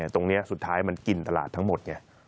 ตรงนี้สุดท้ายมันกินตลาดทั้งหมดเนี่ย